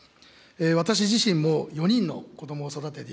私自身も４人の子どもを育てていますけども、